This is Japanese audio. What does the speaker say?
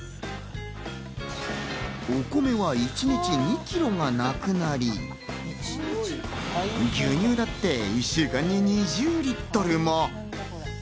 お米は一日２ｋｇがなくなり、牛乳だって一週間に２０リットルも。